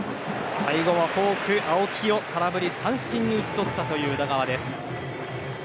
最後はフォークで青木を空振り三振に打ち取った宇田川です。